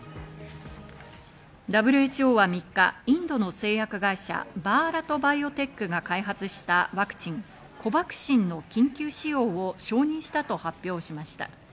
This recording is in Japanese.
ＷＨＯは３日、インドの製薬会社バーラト・バイオテックが開発したワクチンコバクシンの緊急使用を承認したと発表しました。